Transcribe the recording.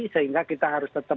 sehingga kita harus tetap